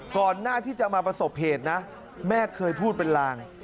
ก่อนหน้าที่จะมาประสบเหตุนะแม่เคยพูดเป็นลาง